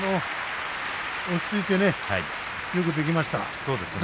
落ち着いてよくできました。